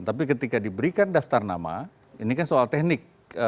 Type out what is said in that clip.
tapi ketika diberikan daftar nama ini kan soal teknik